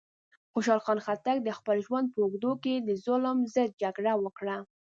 خوشحال خان خټک د خپل ژوند په اوږدو کې د ظلم ضد جګړه وکړه.